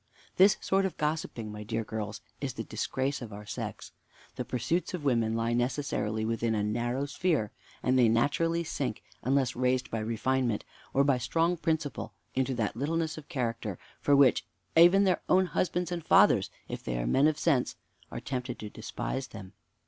"This sort of gossiping, my dear girls, is the disgrace of our sex. The pursuits of women lie necessarily within a narrow sphere, and they naturally sink, unless raised by refinement, or by strong principle, into that littleness of character, for which even their own husbands and fathers (if they are men of sense) are tempted to despise them.